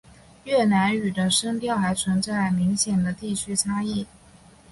越南语的声调还存在明显的地区差异。